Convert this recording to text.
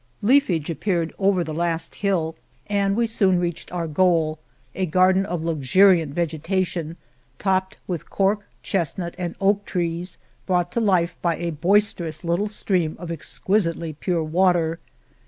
Leafage ap peared over the last hill and we soon reached our goal, a garden of luxuriant vegetation, topped with cork, chestnut, and oak trees, brought to life by a boisterous little stream of exquisitely pure water.